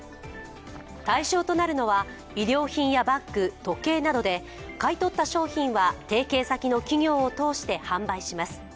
対象となるのは衣料品やバッグ、時計などで買い取った商品は提携先の企業を通して販売します。